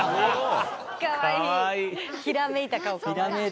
ひらめいた顔かわいい。